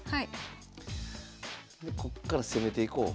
こっから攻めていこう。